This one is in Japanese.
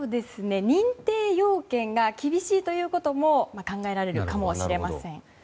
認定要件が厳しいということも考えられるかもしれません。